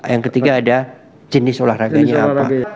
yang ketiga ada jenis olahraganya apa